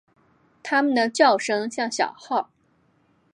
它们的叫声像小号。